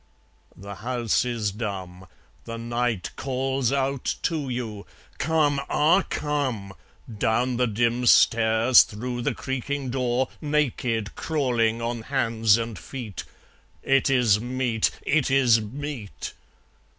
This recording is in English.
The house is dumb; The night calls out to you. Come, ah, come! Down the dim stairs, through the creaking door, Naked, crawling on hands and feet It is meet! it is meet!